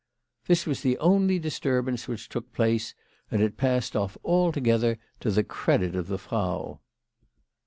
This was the only disturbance which took place, and it passed off altogether to the credit of the Frau.